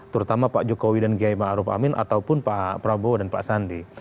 terutama pak jokowi dan kiai marup amin ataupun pak prabowo dan pak sandi